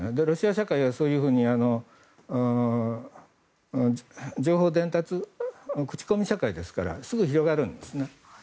ロシア社会はそういうふうに情報伝達、口コミ社会ですからすぐに広がるんですね。